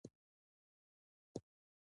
ګرمسیر دښتې پراخې دي؟